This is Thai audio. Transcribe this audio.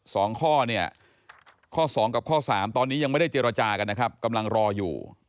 สองข้อเนี่ยข้อสองกับข้อสามตอนนี้ยังไม่ได้เจรจากันนะครับกำลังรออยู่